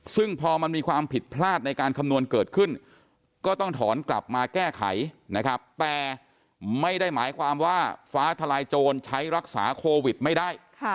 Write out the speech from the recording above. ซึ่งพอมันมีความผิดพลาดในการคำนวณเกิดขึ้นก็ต้องถอนกลับมาแก้ไขนะครับแต่ไม่ได้หมายความว่าฟ้าทลายโจรใช้รักษาโควิดไม่ได้